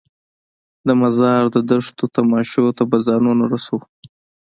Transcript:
د مزار د دښتو تماشو ته به ځانونه رسوو.